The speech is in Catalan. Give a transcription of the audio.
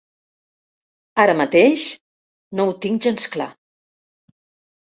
Ara mateix no ho tinc gens clar.